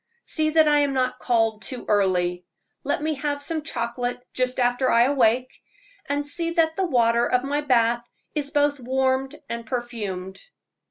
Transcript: "See that I am not called too early; let me have some chocolate just after I awake, and see that the water of my bath is both warmed and perfumed."